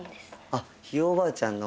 あっひいおばあちゃんの。